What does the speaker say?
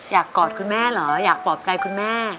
กอดคุณแม่เหรออยากปลอบใจคุณแม่